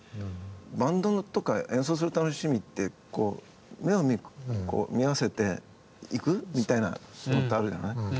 バンドとか演奏する楽しみって目を見合わせて「行く？」みたいなことってあるじゃない。